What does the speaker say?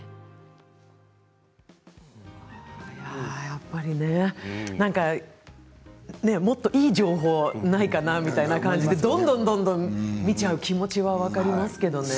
やっぱりねもっといい情報はないかなみたいな感じでどんどんどんどん見てしまう気持ちは分かりますよね。